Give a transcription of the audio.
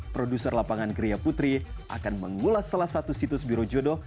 produser lapangan gria putri akan mengulas salah satu situs biro jodoh